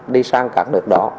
đi sang các nước đó